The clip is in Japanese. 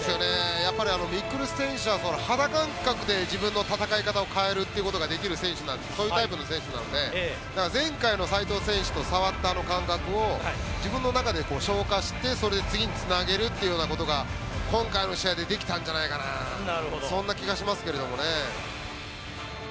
未来選手は肌感覚で自分の戦い方を変えるということができるタイプの選手なので前回の斎藤選手と戦った感覚を自分の中で昇華してそれを次につなげることが今回の試合でできたんじゃないかなという気がしますけどね。